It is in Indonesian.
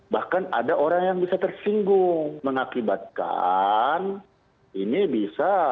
bahkan ada orang yang bisa tersinggung mengakibatkan ini bisa